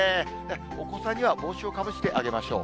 お子さんには帽子をかぶせてあげましょう。